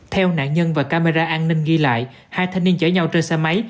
theo nạn nhân và camera an ninh ghi lại hai thanh niên chở nhau chơi xa máy